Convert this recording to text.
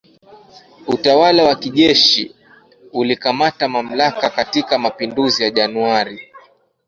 Utawala wa kijeshi ulikamata mamlaka katika mapinduzi ya Januari